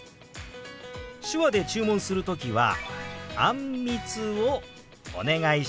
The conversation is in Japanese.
手話で注文する時は「あんみつをお願いします」と表現します。